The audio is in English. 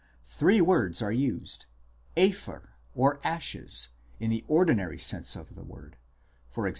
Three words are used : Epher (ISK), "ashes" in the ordinary sense of the word, e.g.